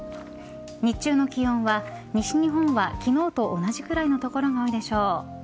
日中の気温は西日本は昨日と同じくらいの所が多いでしょう。